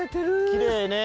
きれいね。